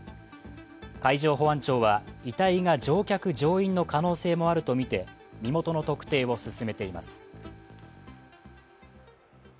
海上保安庁は遺体が乗客・乗員の可能性もあるとみて身元の特定を進めています。